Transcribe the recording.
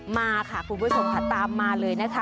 มาค่ะคุณผู้ชมค่ะตามมาเลยนะคะ